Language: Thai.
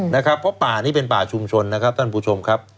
นะครับเพราะป่านี้เป็นป่าชุมชนนะครับท่านผู้ชมครับ